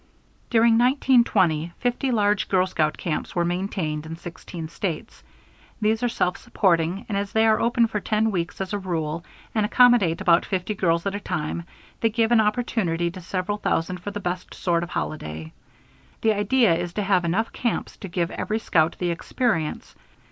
During 1920, 50 large girl scout camps were maintained in 16 States. These are self supporting, and as they are open for 10 weeks as a rule and accommodate about 50 girls at a time, they give an opportunity to several thousand for the best sort of holiday. The idea is to have enough camps to give every scout the experience.